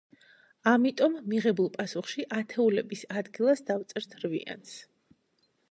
ამიტომ, მიღებულ პასუხში ათეულების ადგილას დავწერთ რვიანს.